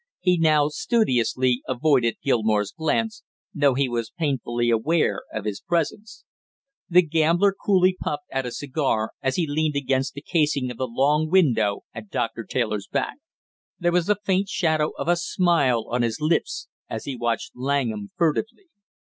He now studiously avoided Gilmore's glance, though he was painfully aware of his presence. The gambler coolly puffed at a cigar as he leaned against the casing of the long window at Doctor Taylor's back; there was the faint shadow of a smile on his lips as he watched Langham furtively.